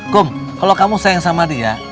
kum kalau kamu sayang sama dia